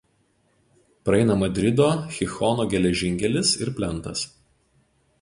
Praeina Madrido–Chichono geležinkelis ir plentas.